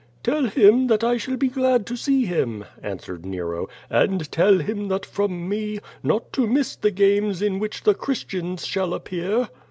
Tell him that I shall be glad to see him," answered Nero, "and tell him that from me, not to miss the games in which the Christians shall appear."